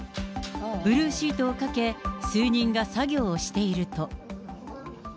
ブルーシートをかけ、数人が作業をしていると。